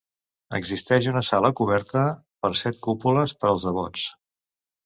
Existeix una sala coberta per set cúpules per als devots.